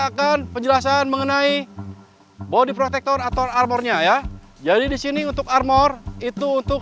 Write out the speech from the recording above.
akan penjelasan mengenai body protector atau armornya ya jadi disini untuk armor itu untuk